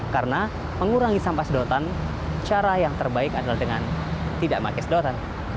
karena mengurangi sampah sedotan cara yang terbaik adalah dengan tidak pakai sedotan